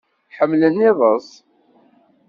Ḥmmlen iḍes.